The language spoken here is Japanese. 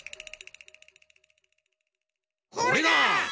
これだ！